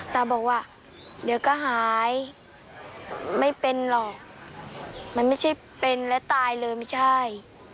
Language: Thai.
ตาบอกว่าเดี๋ยวก็หายไม่เป็นหรอกมันไม่ใช่เป็นแล้วตายเลยไม่ใช่